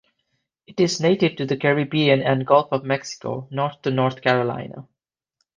It is native to the Caribbean and Gulf of Mexico, North to North Carolina.